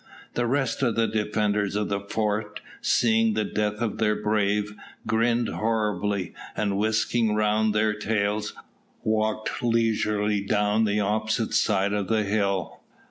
The rest of the defenders of the fort, seeing the death of their brave, grinned horribly, and, whisking round their tails, walked leisurely down the opposite side of the hill.